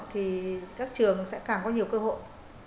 thì các trường sẽ càng có nhiều cơ hội